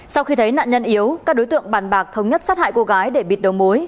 sau khi thấy nạn nhân yếu các đối tượng bàn bạc thống nhất sát hại cô gái để bịt đầu mối